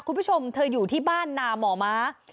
คุณผู้ชมเธออยู่ที่บ้านนาหมอม้า